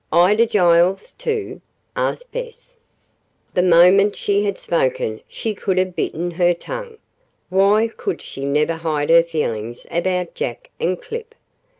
"Ida Giles, too?" asked Bess. The moment she had spoken she could have bitten her tongue. Why could she never hide her feelings about Jack and Clip?